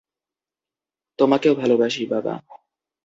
তোমাকেও ভালোবাসি, বাবা।